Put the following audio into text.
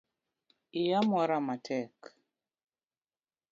Iya mwora matek.